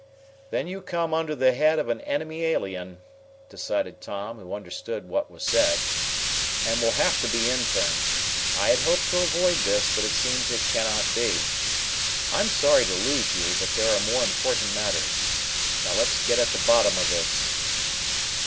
"Then you come under the head of an enemy alien," decided Tom, who understood what was said, "and will have to be interned. I had hoped to avoid this, but it seems it cannot be. I am sorry to lose you, but there are more important matters. Now let's get at the bottom of this."